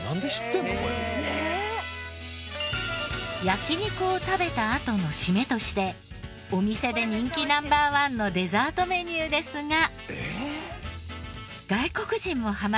焼肉を食べたあとの締めとしてお店で人気Ｎｏ．１のデザートメニューですが。